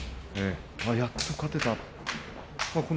やっと勝てたと。